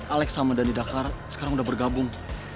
alex sama dhani dakar sekarang sudah bergabung